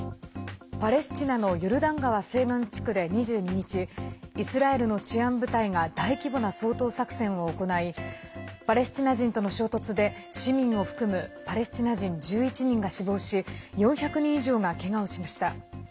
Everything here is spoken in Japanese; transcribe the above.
パレスチナのヨルダン川西岸地区で２２日イスラエルの治安部隊が大規模な掃討作戦を行いパレスチナ人との衝突で市民を含むパレスチナ人１１人が死亡し４００人以上がけがをしました。